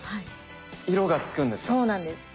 色がつくんですか？